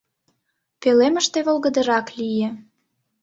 Пӧлемыште волгыдырак лие.